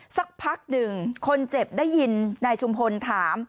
สักพักหนึ่งคนเจ็บได้ยินนายชุมพลถาม